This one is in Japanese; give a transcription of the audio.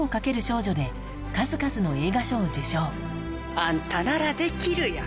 あんたならできるよ。